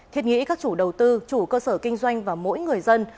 thiết nghĩ các chủ đầu tư chủ cơ sở kinh doanh và mỗi người dân